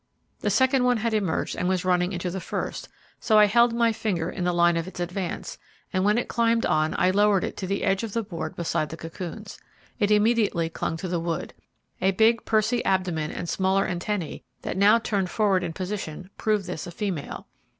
The second one had emerged and was running into the first, so I held my finger in the line of its advance, and when it climbed on I lowered it to the edge to the board beside the cocoons. It immediately clung to the wood. The big pursy abdomen and smaller antennae, that now turned forward in position, proved this a female.